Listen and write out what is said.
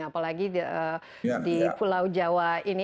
apalagi di pulau jawa ini